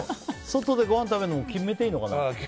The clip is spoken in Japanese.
外でごはん食べるのも決めていいのかな。